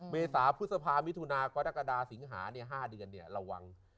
เมษาพฤษภามิถุนากรกฎาสิงหา๕เดือนระวัง